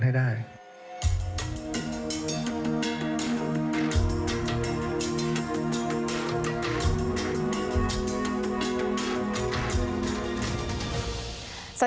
มีความรู้สึกว่า